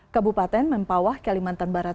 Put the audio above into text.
kabupaten mempawah kalimantan barat